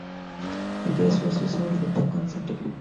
The case was resolved with a consent decree.